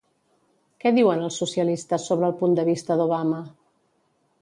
Què diuen els socialistes sobre el punt de vista d'Obama?